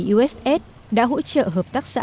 uss đã hỗ trợ hợp tác xã